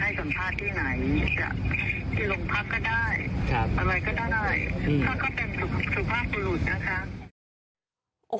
พักก็เป็นสุภาพภูมินะคะ